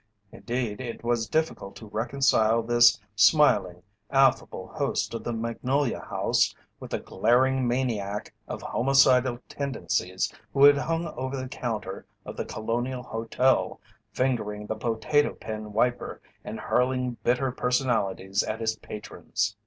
Indeed, it was difficult to reconcile this smiling, affable host of the Magnolia House with the glaring maniac of homicidal tendencies who had hung over the counter of The Colonial Hotel, fingering the potato pen wiper and hurling bitter personalities at his patrons.